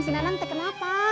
si nanang teh kenapa